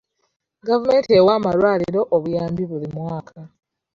Gavumenti ewa amalwaliro obuyambi buli mwaka.